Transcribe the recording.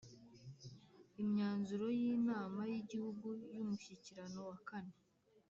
Imyanzuro y inama y Igihugu y Umushyikirano wa kane